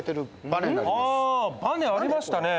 バネありましたね。